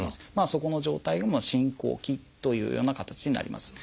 そこの状態が進行期というような形になります。